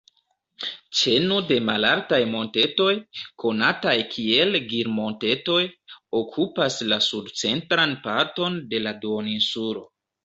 Ĉeno de malaltaj montetoj, konataj kiel Gir-Montetoj, okupas la sud-centran parton de la duoninsulo.